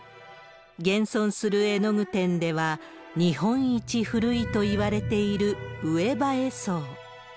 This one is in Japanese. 現存する絵の具店では、日本一古いといわれている、上羽絵惣。